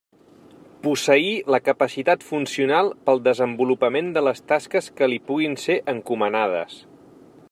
Posseir la capacitat funcional pel desenvolupament de les tasques que li puguin ser encomanades.